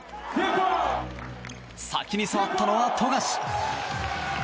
先に触ったのは富樫。